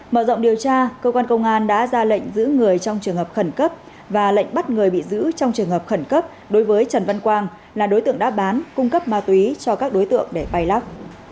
mở rộng điều tra cơ quan công an đã ra lệnh giữ người trong trường hợp khẩn cấp và lệnh bắt người bị giữ trong trường hợp khẩn cấp đối với trần văn quang là đối tượng đã bán cung cấp ma túy cho các đối tượng để bay lắc